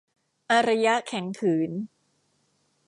อารยะแข็งขืน